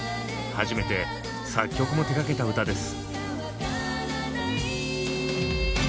初めて作曲も手がけた歌です。